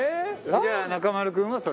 じゃあ中丸君はそれ？